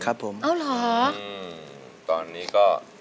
ตอนนี้ก็เสียไปแล้วนะครับ